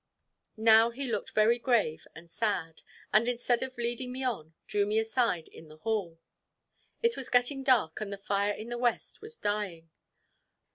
Now he looked very grave and sad, and instead of leading me on, drew me aside in the hall. It was getting dark, and the fire in the west was dying.